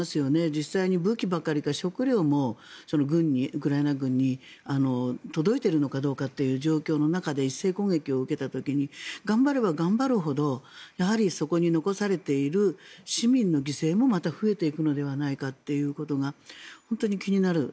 実際に武器ばかりか食料もウクライナ軍に届いているのかどうかという状況の中で一斉攻撃を受けた時に頑張れば頑張るほどやはりそこに残されている市民の犠牲もまた増えていくのではないかということが本当に気になる